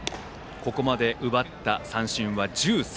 ここまで奪った三振は１３。